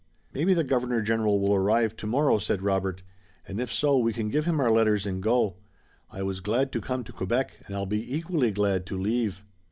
"Maybe the Governor General will arrive tomorrow," said Robert, "and if so we can give him our letters and go. I was glad to come to Quebec, and I'll be equally glad to leave."